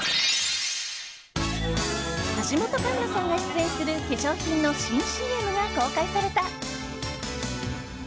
橋本環奈さんが出演する化粧品の新ＣＭが公開された。